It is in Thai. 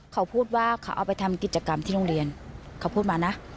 เขาพูดว่าเขาเอาไปทำกิจกรรมที่โรงเรียนเขาพูดมานะ